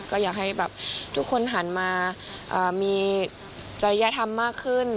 ก็อยากให้แบบทุกคนหันมามีจริยธรรมมากขึ้น